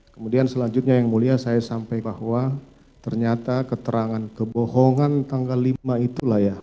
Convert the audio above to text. kemudian selanjutnya yang mulia saya sampai bahwa ternyata keterangan kebohongan tanggal lima itulah ya